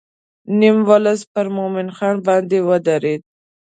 نیم ولس پر مومن خان باندې ودرېد.